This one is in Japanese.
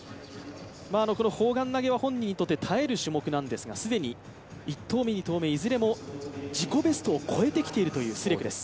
この砲丸投は、本人にとって耐える種目なんですが既に１投目、２投目、いずれも自己ベストを超えてきているスレクです。